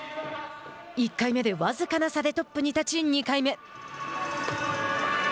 １回目で僅かな差でトップに立ち２回目。